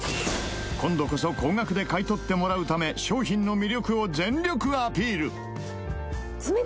今度こそ高額で買い取ってもらうため商品の魅力を全力アピール！